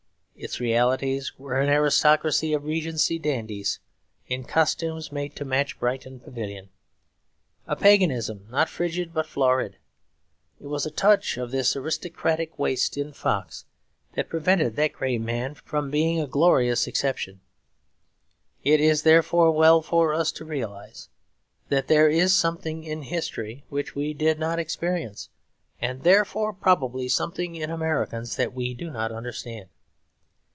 Its realities were an aristocracy of Regency dandies, in costumes made to match Brighton Pavilion; a paganism not frigid but florid. It was a touch of this aristocratic waste in Fox that prevented that great man from being a glorious exception. It is therefore well for us to realise that there is something in history which we did not experience; and therefore probably something in Americans that we do not understand.